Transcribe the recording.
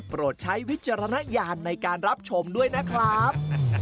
เพราะฉะนั้นโปรดใช้วิจารณญาณในการรับชมด้วยนะครับ